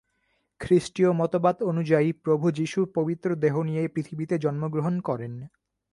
খ্রিস্টীয় মতবাদ অনুযায়ী প্রভু যীশু পবিত্র দেহ নিয়ে পৃথিবীতে জন্মগ্রহণ করেন।